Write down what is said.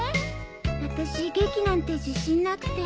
私劇なんて自信なくて。